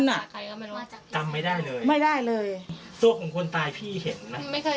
จำไม่ได้เลยไม่ได้เลยตัวของคนตายพี่เห็นไหมไม่เห็น